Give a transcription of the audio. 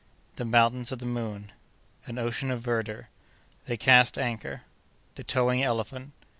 The Mountains of the Moon.—An Ocean of Verdure.—They cast Anchor.—The Towing Elephant.